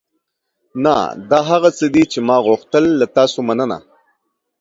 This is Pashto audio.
نه، دا هغه څه دي چې ما غوښتل. له تاسو مننه.